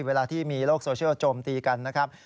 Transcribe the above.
เวลาที่มีโรคโซเชียลโจมตีกันโบนัสบนเลยนะครับ